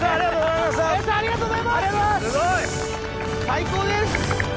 ・最高です！